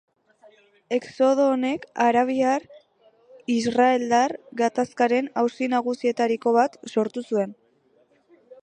Exodo honek arabiar–israeldar gatazkaren auzi nagusienetariko bat sortu zuen.